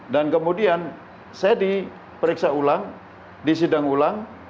dan kemudian saya diperiksa ulang disidang ulang